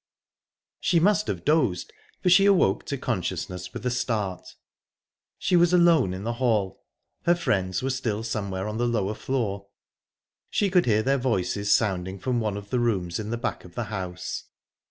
She must have dozed, for she awoke to consciousness with a start. She was alone in the hall. Her friends were still somewhere on the lower floor; she could hear their voices sounding from one of the rooms in the back of the house.